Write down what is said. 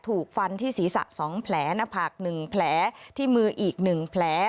ถูกฟันที่ศีรษะ๒แผลหน้าผาก๑แผลที่มืออีก๑แผล